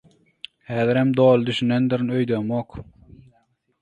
Häzirem doly düşünýändirin öýdemok.